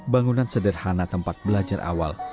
bangunan sederhana tempat belajar awal